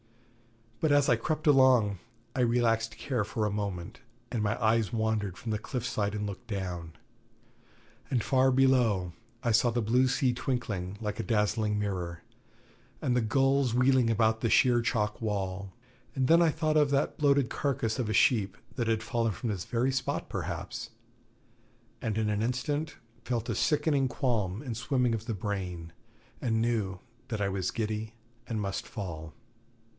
But as I crept along, I relaxed care for a moment, and my eyes wandered from the cliff side and looked down. And far below I saw the blue sea twinkling like a dazzling mirror, and the gulls wheeling about the sheer chalk wall, and then I thought of that bloated carcass of a sheep that had fallen from this very spot perhaps, and in an instant felt a sickening qualm and swimming of the brain, and knew that I was giddy and must fall.